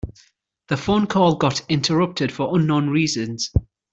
The phone call got interrupted for unknown reasons.